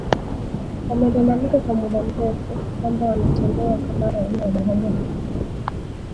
Wamelalamika kwa muda mrefu kwamba wanatendewa kama raia wa daraja la pili